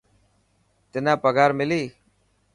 تنا پگهار ملي.